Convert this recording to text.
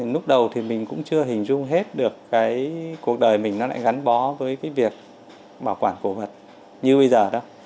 lúc đầu thì mình cũng chưa hình dung hết được cái cuộc đời mình nó lại gắn bó với cái việc bảo quản cổ vật như bây giờ đó